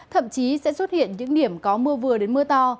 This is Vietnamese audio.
thậm chí sẽ xuất hiện những điểm có mưa vừa đến mưa to